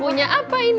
punya apa ini